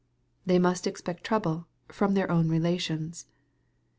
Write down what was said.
They must expect trouble from their own relations.